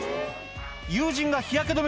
友人が日焼け止め